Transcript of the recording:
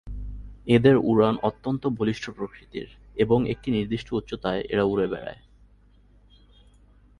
এদের উড়ান অত্যন্ত বলিষ্ঠ প্রকৃতির এবং একটি নির্দিষ্ট উচ্চতায় এরা উড়ে বেড়ায়।